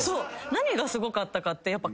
何がすごかったかって。